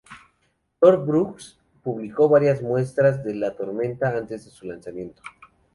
Tor Books publicó varias muestras de "La tormenta" antes de su lanzamiento.